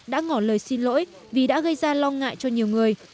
đã ngỏ lời xin lỗi vì đã gây ra lo ngại cho nhiều người